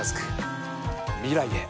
未来へ。